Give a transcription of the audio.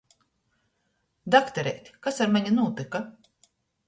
Doktereit, kas ar mani nūtyka?